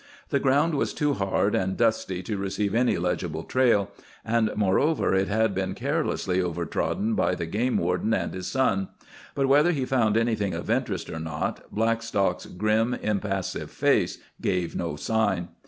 The ground was too hard and dusty to receive any legible trail, and, moreover, it had been carelessly over trodden by the game warden and his son. But whether he found anything of interest or not, Blackstock's grim, impassive face gave no sign.